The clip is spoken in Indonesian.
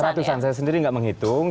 keputusan saya sendiri nggak menghitung